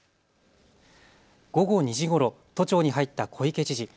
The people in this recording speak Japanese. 午後２時ごろ、都庁に入った小池知事。